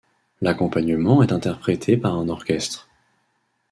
L'accompagnement est interprété par un orchestre.